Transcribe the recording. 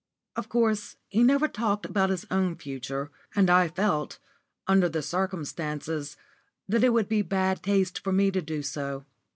Of course, he never talked about his own future, and I felt, under the circumstances, that it would be bad taste for me to do so.